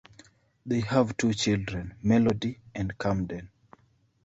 They have two children, Melody and Camden.